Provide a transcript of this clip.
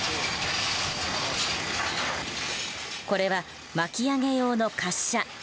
これは巻き上げ用の滑車。